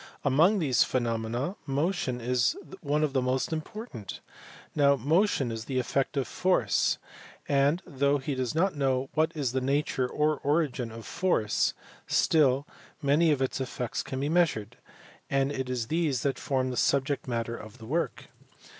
Among these phenomena motion is one of the most important. Now motion is the effect of force, and, though he does not know what is the nature or origin of force, still many of its effects can be measured ; and it is these that form the subject matter of the work.